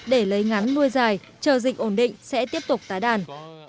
để lấy ngắn nuôi dài chờ dịch ổn định sẽ tiếp tục tái đàn